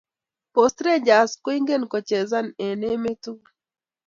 Post rangers koingek kochezan en emt tugul